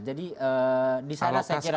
jadi disana saya kira